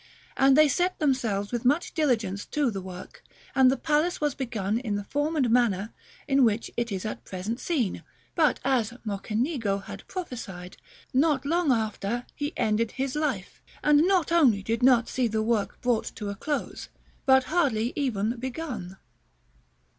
"And they set themselves with much diligence to the work; and the palace was begun in the form and manner in which it is at present seen; but, as Mocenigo had prophesied, not long after, he ended his life, and not only did not see the work brought to a close, but hardly even begun."